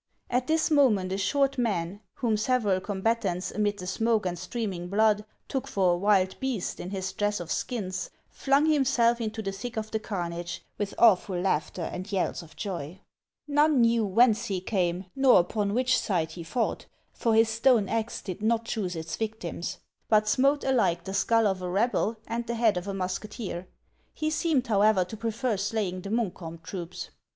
At this moment a short man, whom several combatants, amid the smoke and streaming blood, took for a wild beast, in his dress of skins, flung himself into the thick of the carnage, with awful laughter and yells of joy. HANS OF ICELAND. 403 knew whence he came, nor upon which side he fought ; for his stone axe did not choose its victims, but smote alike the skull of a rebel and the head of a musketeer. He seemed, however, to prefer slaying the Munkholrn troops.